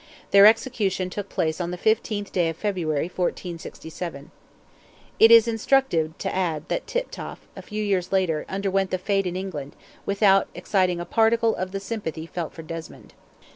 Their execution took place on the 15th day of February, 1467. It is instructive to add that Tiptoft, a few years later, underwent the fate in England, without exciting a particle of the sympathy felt for Desmond.